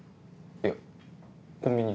いやコンビニ。